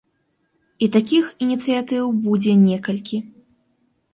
І такіх ініцыятыў будзе некалькі.